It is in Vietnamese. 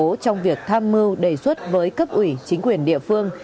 phát biểu trong việc tham mưu đề xuất với cấp ủy chính quyền địa phương